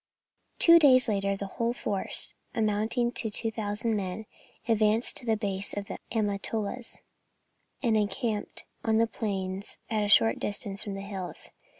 Two days later, the whole force, amounting to 2,000 men, advanced to the base of the Amatolas and encamped on the plains at a short distance from the hills.